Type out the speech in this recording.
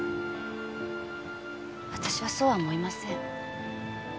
私はそうは思いません。